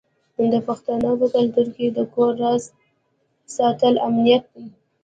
د پښتنو په کلتور کې د کور راز ساتل امانت دی.